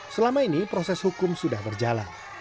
selama ini proses hukum sudah berjalan